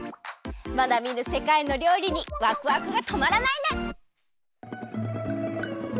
まだみぬせかいのりょうりにワクワクがとまらないね！